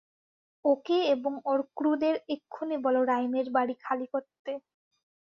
ওকে এবং ওর ক্রুদের এক্ষুনি বলো রাইমের বাড়ি খালি করতে।